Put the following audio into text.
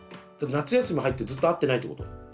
夏休み入ってずっと会ってないってこと？